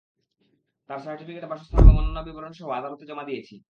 তার সার্টিফিকেট, বাসস্থান এবং অন্যান্য বিবরণসহ আদালতে জমা দিয়েছি।